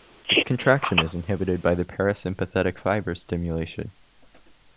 Its contraction is inhibited by parasympathetic fiber stimulation.